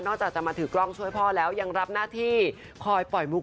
นอกจากจำมันถึงกล้องช่วยพ่อแล้วยังรับหน้าที่คอยเป่า